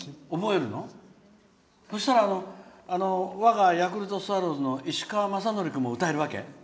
そしたら我がヤクルトスワローズの石川雅規君も歌えるわけ？